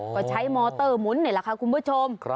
ก็ใช้มอเตอร์หมุนนี่แหละค่ะคุณผู้ชม